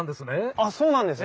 あっそうなんです！